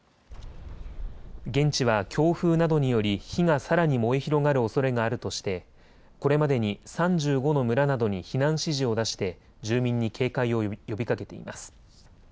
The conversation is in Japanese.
現地は強風などにより火がさらに燃え広がるおそれがあるとしてこれまでに３５の村などに避難指示を出して住民に警戒を呼びかけています。